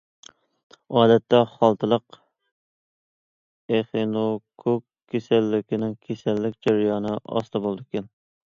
ئادەتتە، خالتىلىق ئېخىنوكوك كېسەللىكىنىڭ كېسەللىك جەريانى ئاستا بولىدىكەن.